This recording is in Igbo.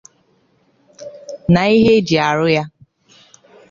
na ihe e ji arụ ya.